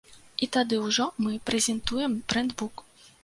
І тады ўжо мы прэзентуем брэндбук.